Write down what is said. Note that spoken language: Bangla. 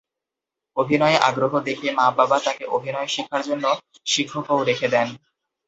অভিনয়ে আগ্রহ দেখে মা বাবা তাঁকে অভিনয় শেখার জন্য শিক্ষকও রেখে দেন।